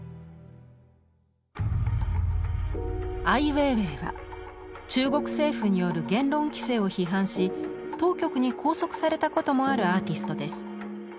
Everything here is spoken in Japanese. アイウェイウェイは中国政府による言論規制を批判し当局に拘束されたこともあるアーティストです。